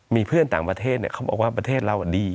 มีเพื่อนต่างประเทศเขาบอกว่าประเทศเราดี